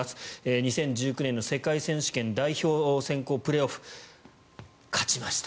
２０１９年の世界選手権代表選考プレーオフ勝ちました。